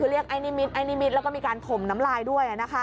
คือเรียกไอ้นิมิตไอ้นิมิตรแล้วก็มีการถมน้ำลายด้วย